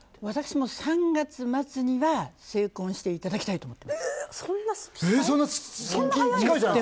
私も３月末には成婚していただきたいとそんな早いの？